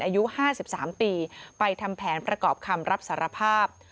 อายุ๕๓ปีไปทำแผนประกอบคำรับสารภาพ